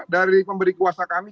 dari pemberi kuasa kami